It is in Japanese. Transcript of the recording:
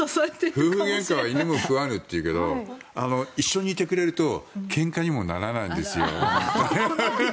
夫婦げんかは犬も食わぬというけど一緒にいてくれるとけんかにもならないんですよ。